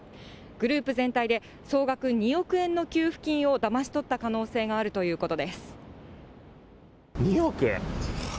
グループ全体で総額２億円の給付金をだまし取った可能性があると２億！